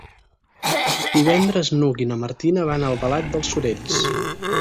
Divendres n'Hug i na Martina van a Albalat dels Sorells.